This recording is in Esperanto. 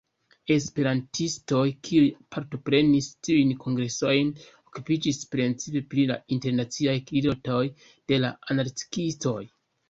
Esperantistoj, kiuj partoprenis tiujn kongresojn, okupiĝis precipe pri la internaciaj rilatoj de la anarkiistoj.